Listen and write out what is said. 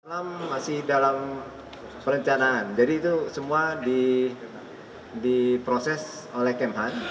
kapal selam masih dalam perencanaan jadi itu semua diproses oleh kmh